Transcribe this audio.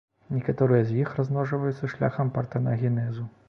Некаторыя з іх таксама размножваюцца шляхам партэнагенезу.